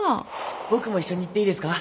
僕も一緒に行っていいですか？